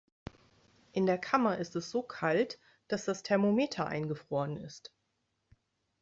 In der Kammer ist es so kalt, dass das Thermometer eingefroren ist.